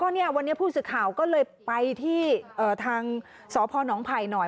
เนี่ยวันนี้ผู้สื่อข่าวก็เลยไปที่ทางสพนไผ่หน่อย